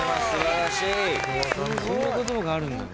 そんな言葉があるんだね。